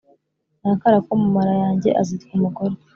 Ni akara ko mu mara yanjye, Azitwa Umugore